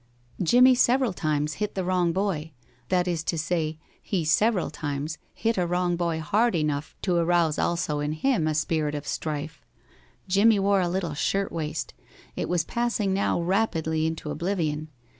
"] Jimmie several times hit the wrong boy that is to say, he several times hit a wrong boy hard enough to arouse also in him a spirit of strife. Jimmie wore a little shirt waist. It was passing now rapidly into oblivion.